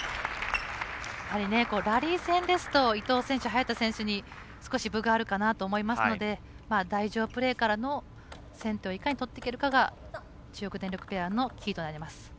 ラリー戦ですと伊藤選手、早田選手に少し分があるかなと思いますので台上プレーからの先手をいかにとっていけるかが中国電力ペアのキーとなります。